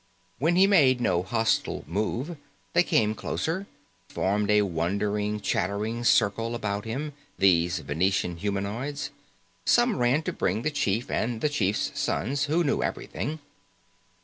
When he made no hostile move, they came closer again, formed a wondering, chattering circle about him, these Venusian humanoids. Some ran to bring the chief and the chief's son, who knew everything.